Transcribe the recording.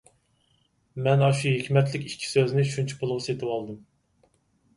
مەن ئاشۇ ھېكمەتلىك ئىككى سۆزنى شۇنچە پۇلغا سېتىۋالدىم.